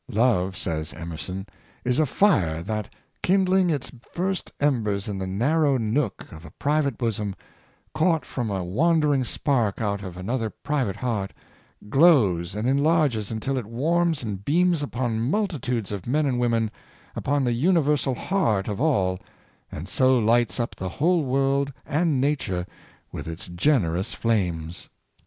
" Love," says Emerson, " is a fire that, kind ling its first embers in the narrow nook of a private bosom, caught from a wandering spark out of another private heart, glows and enlarges until it warms and beams upon multitudes of men and women, upon the universal heart of all, and so lights up the whole world and nature with its generous flames."